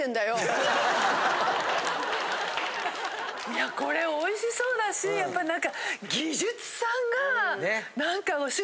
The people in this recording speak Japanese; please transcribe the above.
いやこれおいしそうだしやっぱ何か。